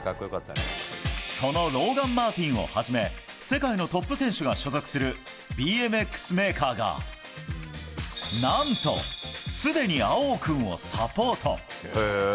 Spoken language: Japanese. そのローガン・マーティンをはじめ世界のトップ選手が所属するＢＭＸメーカーが何と、すでに葵央君をサポート。